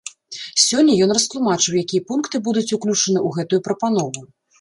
Сёння ён растлумачыў, якія пункты будуць уключаны ў гэтую прапанову.